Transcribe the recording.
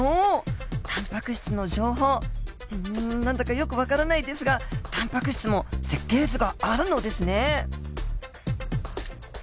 うん何だかよく分からないですがタンパク質も設計図があるのですね。